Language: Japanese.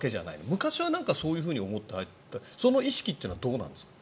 昔はそういうふうに思って入ったその意識というのはどうなんですか？